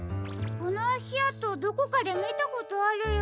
このあしあとどこかでみたことあるような。